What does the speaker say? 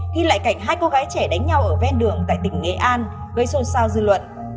ghi lại cảnh hai cô gái trẻ đánh nhau ở ven đường tại tỉnh nghệ an gây xôn xao dư luận